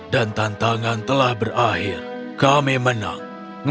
dan tantangan telah berakhir kami menang